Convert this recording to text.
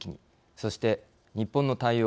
そして日本の対応